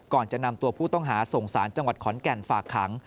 ก่อนจะนำตัวผู้ต้องหาส่งสารจังหวัดขอนแก่นฝากขัง